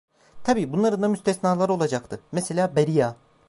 Tabii bunların da müstesnaları olacaktı: Mesela Beria…